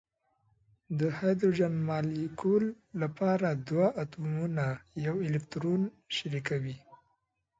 د هایدروجن مالیکول لپاره دوه اتومونه یو الکترون شریکوي.